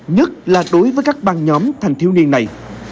nhất là đối với các băng nhóm thanh tiếu niên này